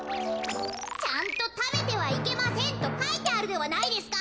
ちゃんと「食べてはいけません」とかいてあるではないですか！